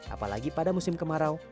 apalagi pada musim kemarau